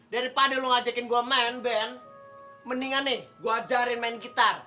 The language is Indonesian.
daripada lo ngajakin gue main band mendingan nih gue ajarin main kita